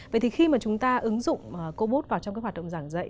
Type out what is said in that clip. vậy thì khi mà chúng ta ứng dụng cobot vào trong cái hoạt động giảng dạy